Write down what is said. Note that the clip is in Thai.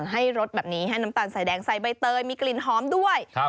รสแบบนี้ให้น้ำตาลใส่แดงใส่ใบเตยมีกลิ่นหอมด้วย